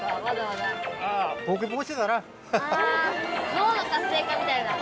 脳の活性化みたいな。